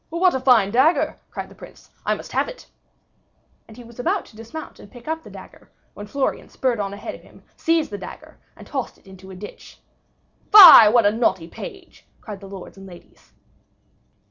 "What a fine dagger!" cried the Prince, "I must have it." And he was about to dismount and pick up the dagger, when Florian spurred on ahead of him, seized the dagger, and tossed it into a ditch. "Fie, what a naughty page!" cried the lords and ladies.